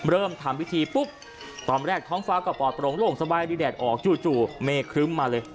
เริ่มทำพิธีปุ๊บตอนแรกท้องฟ้าก็ปลอดโปร่งโล่งสบายมีแดดออกจู่เมฆครึ้มมาเลย